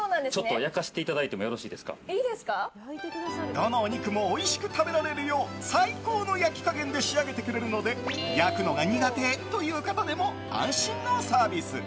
どのお肉もおいしく食べられるよう最高の焼き加減で仕上げてくれるので焼くのが苦手という方でも安心のサービス。